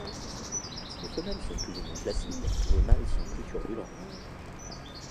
Si les femelles sont plus ou moins placides, les mâles sont plus turbulents.